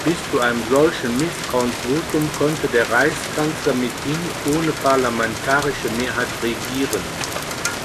Bis zu einem solchen Misstrauensvotum konnte der Reichskanzler mithin ohne parlamentarische Mehrheit regieren.